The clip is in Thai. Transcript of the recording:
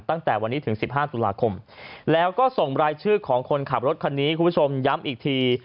ตั้งแต่วันนี้ถึง๑๕ตุลาคมแล้วก็ส่งรายชื่อของคนขับรถคันนี้คุณผู้ชมย้ำอีกที